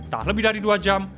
tak lebih dari dua jam